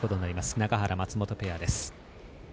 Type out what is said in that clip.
永原、松本ペアです。